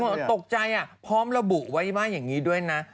แล้วพร้อมนะตกใจพร้อมระบุไว้ว่าอย่างนี้ด้วยนะ